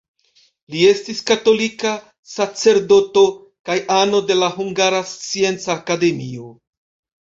Li estis katolika sacerdoto kaj ano de la Hungara Scienca Akademio.